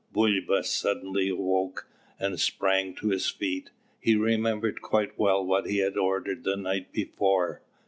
Bulba suddenly awoke, and sprang to his feet. He remembered quite well what he had ordered the night before.